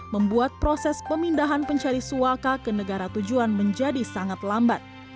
membuat proses pemindahan pencari suaka ke negara tujuan menjadi sangat lambat